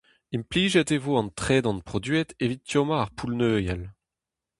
Implijet e vo an tredan produet evit tommañ ar poull-neuial.